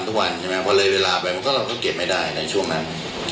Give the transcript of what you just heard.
ใช่ไหมครับพอเลยเวลาไว้มันก็เก็บไม่ได้ในช่วงนั้น